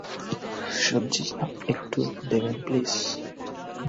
সব্জিটা একটু দেবেন প্লিজ?